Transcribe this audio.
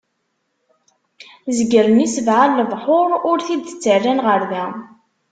Zegren i sebɛa lebḥur, ur t-id-ttarran ɣer da.